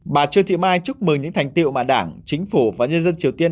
bà trương thị mai chúc mừng những thành tiệu mà đảng chính phủ và nhân dân triều tiên